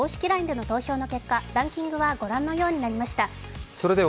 ＬＩＮＥでの投票の結果、ランキングは御覧のようになりました。